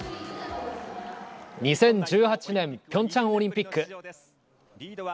２０１８年ピョンチャンオリンピック。